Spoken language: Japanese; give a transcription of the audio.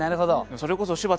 それこそ柴田さん